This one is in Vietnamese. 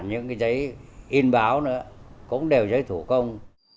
những cái giấy in báo nữa cũng đều giấy thủ công